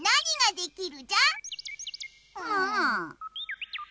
うん。